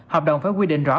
hợp đồng phải quy định rõ